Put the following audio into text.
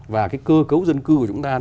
và cái cơ cấu dân cư của chúng ta